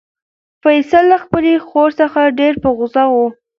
فیصل له خپلې خور څخه ډېر په غوسه و.